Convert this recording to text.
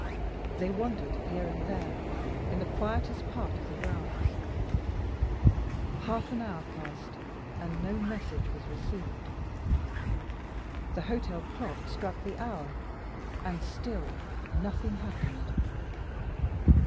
They wandered here and there, in the quietest part of the grounds. Half an hour passed and no message was received. The hotel clock struck the hour and still nothing happened.